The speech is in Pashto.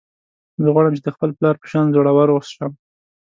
زه غواړم چې د خپل پلار په شان زړور شم